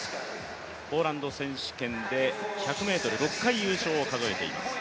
ポーランド選手権で１００ｍ、６回優勝を数えています。